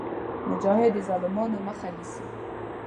مجاهد د ظالمانو مخه نیسي.